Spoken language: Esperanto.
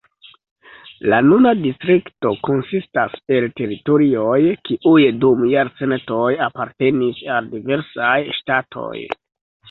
La nuna distrikto konsistas el teritorioj, kiuj dum jarcentoj apartenis al diversaj ŝtatoj.